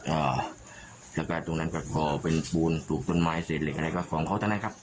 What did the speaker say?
อ่าแล้วก็ตรงนั้นก็ขอเป็นปูนปลูกต้นไม้เศษเหล็กอะไรก็ของเขาเท่านั้นครับ